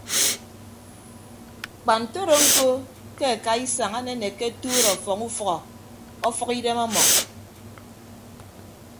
Kpa ntodo ñko ke akaisañ anenekke atuut ọfọñ ufʌhọ ọfʌk idem ọmọ.